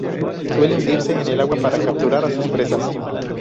Suele hundirse en el agua para capturar a sus presas.